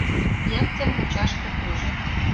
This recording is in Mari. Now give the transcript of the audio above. Яктер мучаш кукужо